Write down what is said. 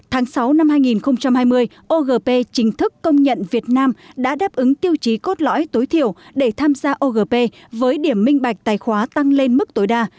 tháng sáu năm hai nghìn hai mươi ogp chính thức công nhận việt nam đã đáp ứng tiêu chí cốt lõi tối thiểu để tham gia ogp với điểm minh bạch tài khoá tăng lên mức tối đa